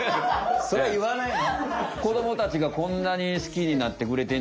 それはいわないの！